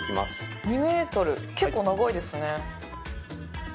２ｍ結構長いですね。